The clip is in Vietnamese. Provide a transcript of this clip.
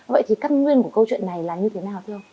vậy thì căn nguyên của câu chuyện này là như thế nào